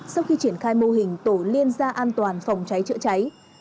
sau khi triển khai mô hình tổ liên gia an toàn phòng cháy chữa cháy